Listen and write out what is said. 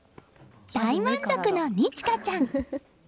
大満足の虹智華ちゃん。